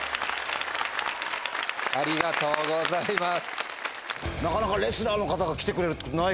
ありがとうございます。